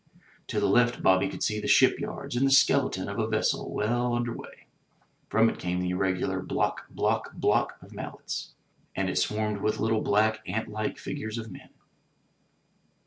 To the left Bobby could see the shipyards and the skeleton of a vessel well under way. From it came the irregular Block! Block! Block! of mallets; and it swarmed with little, black, ant like figures of men.